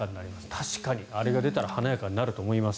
確かに、あれが出たら華やかになると思います。